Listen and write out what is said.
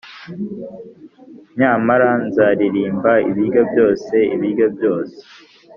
nyamara nzaririmba, ibiryo byose, ibiryo byose,